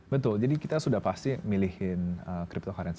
betul jadi kita sudah pasti memilihkan cryptocurrency